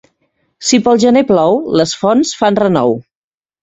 Si pel gener plou, les fonts fan renou.